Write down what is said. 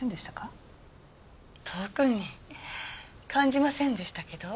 特に感じませんでしたけど。